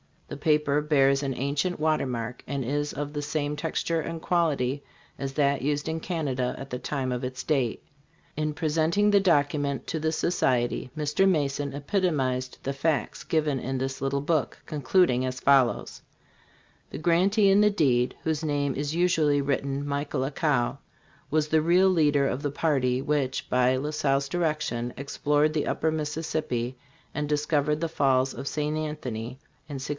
The paper bears an ancient watermark and is of the same texture and quality as that used in Canada at the time of its date. In presenting the document to the Society, Mr. Mason epitomized the facts given in this little book, concluding as follows : "The grantee in the deed, whose name is usually written Michel Accau, was the real leader of the party which, by La Salle's direction, explored the Upper Mississippi and discovered the falls of St. Anthony in 1682.